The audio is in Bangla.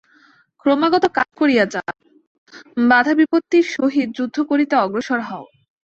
ক্রমাগত কাজ করিয়া যাও, বাধা-বিপত্তির সহিত যুদ্ধ করিতে অগ্রসর হও।